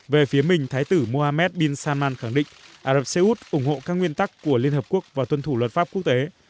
về phía mình thái tử mohammed bin salman khẳng định ả rập xê út ủng hộ các nguyên tắc của liên hợp quốc và tuân thủ luật pháp quốc tế